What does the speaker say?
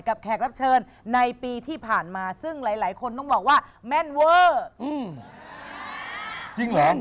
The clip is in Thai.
แขกรับเชิญในปีที่ผ่านมาซึ่งหลายคนต้องบอกว่าแม่นเวอร์